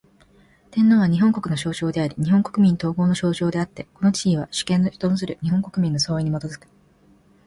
天皇は、日本国の象徴であり日本国民統合の象徴であつて、この地位は、主権の存する日本国民の総意に基く。